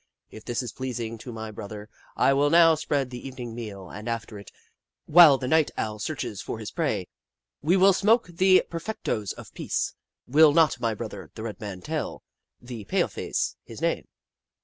If this is pleasing to my brother, I will nov/ spread the evening meal, and after it, while the Night Owl searches for his prey, we will smoke the Perfectos of Peace, Will not my brother, the Red Man, tell the paleface his name